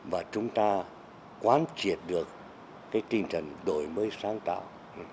và chúng ta quán triệt được cái tinh thần đổi mới sáng tạo